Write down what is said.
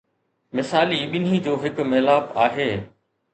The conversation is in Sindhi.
مثالي ٻنهي جو هڪ ميلاپ آهي.